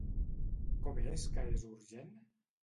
Com és que és urgent?